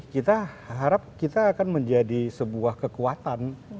kita harap kita akan menjadi sebuah kekuatan